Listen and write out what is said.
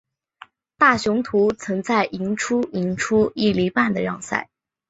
大雄图曾在赢出赢出一哩半的让赛。